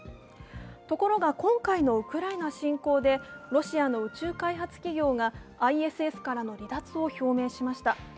ところが今回のウクライナ侵攻でロシアの宇宙開発企業がＩＳＳからの離脱を表明しました。